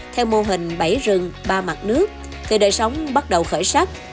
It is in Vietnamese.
theo mô hình bảy rừng ba mặt nước thì đời sống bắt đầu khởi sắc